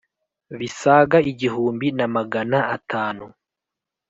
bisaga igihugmbi na magana atanu